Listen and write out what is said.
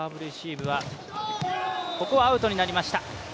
ここはアウトになりました。